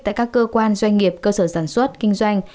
tại các cơ quan doanh nghiệp cơ sở sản xuất kinh doanh